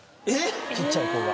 ちっちゃい子が。